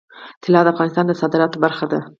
طلا د افغانستان د صادراتو برخه ده.